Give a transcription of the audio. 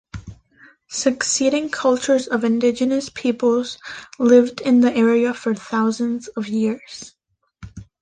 Succeeding cultures of indigenous peoples lived in the area for thousands of years.